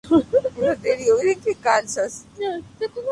En su segunda temporada consiguió el ascenso a Primera División.